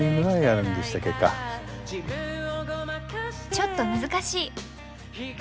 ちょっと難しい！